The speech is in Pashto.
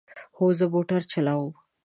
هو، زه موټر چلوم